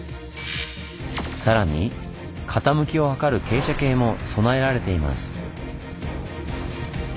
さらに傾きを測る傾斜計も備えられています。